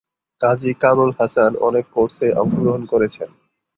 কাজী কামরুল হাসান অনেক কোর্সে অংশগ্রহণ করেছেন।